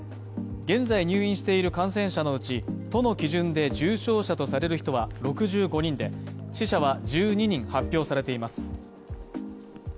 現在入院している感染者のうち、都の基準で重症者とされる人は６５人で、死者は１２人発表されています。